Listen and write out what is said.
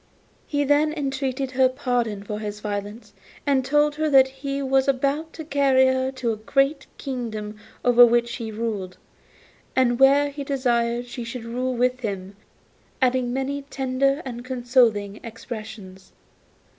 He then entreated her pardon for his violence, and told her that he was about to carry her to a great kingdom over which he ruled, and where he desired she should rule with him, adding many tender and consoling expressions.